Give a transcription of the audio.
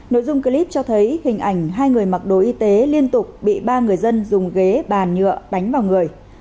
nội dung clip cho thấy hình ảnh hai người mặc đồ y tế liên tục bị ba người dân dùng ghế bàn nhựa đánh vào người